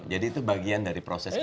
jadi itu bagian dari proses kita